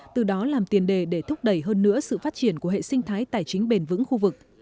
từ đó làm tiền đề để thúc đẩy hơn nữa sự phát triển của hệ sinh thái tài chính bền vững khu vực